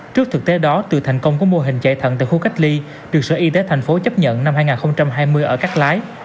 trước thực tế đó từ thành công của mô hình chạy thận tại khu cách ly được sở y tế thành phố chấp nhận năm hai nghìn hai mươi ở các lái